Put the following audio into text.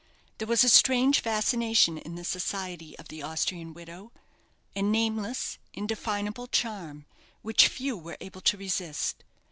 There was a strange fascination in the society of the Austrian widow a nameless, indefinable charm, which few were able to resist.